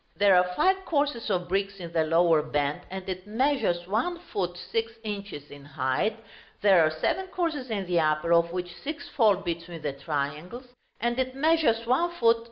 There are five courses of bricks in the lower band, and it measures 1 ft. 6 in. in height: there are seven courses in the upper (of which six fall between the triangles), and it measures 1 ft.